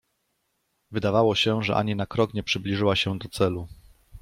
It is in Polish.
Wydawało się, że ani na krok nie przybliżyła się do celu.